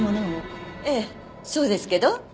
ええそうですけど。